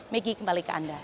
megi kembali ke anda